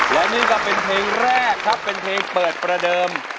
และนี่ก็เป็นเพลงแรกครับเป็นเพลงเปิดประเดิม